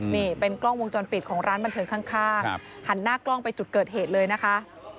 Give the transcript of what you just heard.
นี่เป็นกล้องวงจรปิดของร้านบันเทิงข้างหันหน้ากล้องไปจุดเกิดเหตุเลยนะคะ